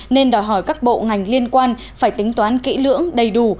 nên đòi hỏi các bộ ngành liên quan phải tính toán kỹ lưỡng đầy đủ